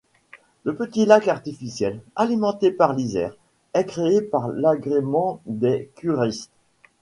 Un petit lac artificiel, alimenté par l'Isère, est créé pour l'agrément des curistes.